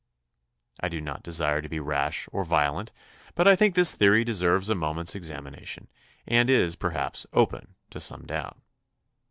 I do not desire to be rash or violent, but I think this theory deserves a moment's examination and is, perhaps, open to some doubt.